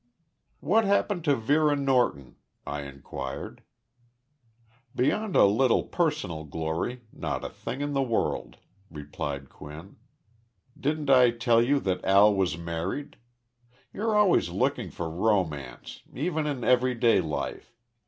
"What happened to Vera Norton?" I inquired. "Beyond a little personal glory, not a thing in the world," replied Quinn. "Didn't I tell you that Al was married? You're always looking for romance, even in everyday life.